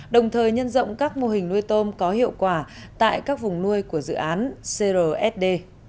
đồng thời nhân rộng các mô hình nuôi tôm có hiệu quả tại các vùng nuôi của dự án crsd